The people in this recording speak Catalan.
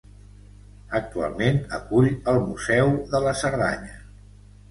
Actualment acull el museu de la Cerdanya.